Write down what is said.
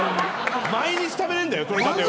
毎日食べれんだよとれたてを。